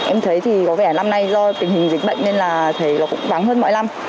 em thấy thì có vẻ năm nay do tình hình dịch bệnh nên là thấy nó cũng vắng hơn mọi năm